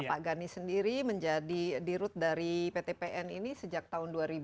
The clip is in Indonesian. pak gani sendiri menjadi di root dari pt pn ini sejak tahun dua ribu delapan belas